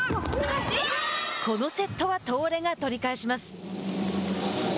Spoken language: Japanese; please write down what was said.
このセットは東レが取り返します。